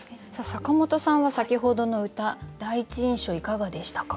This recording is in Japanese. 坂本さんは先ほどの歌第一印象いかがでしたか？